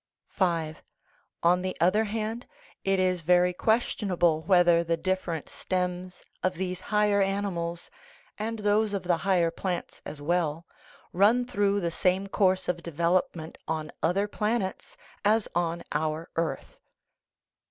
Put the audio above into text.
V. On the other hand, it is very questionable wheth er the different stems of these higher animals (and those of the higher plants as well) run through the same course of development on other planets as on our earth.